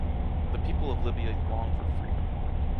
The people of Libya long for freedom.